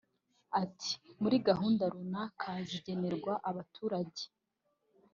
Ati ˝Muri gahunda runaka zigenerwa abaturage